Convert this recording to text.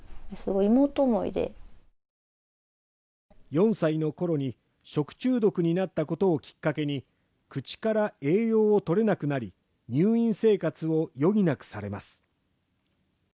４歳のころに食中毒になったことをきっかけに口から栄養を取れなくなり、入院生活を余儀なくされます。